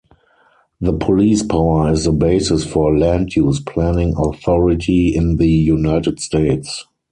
The police power is the basis for land-use planning authority in the United States.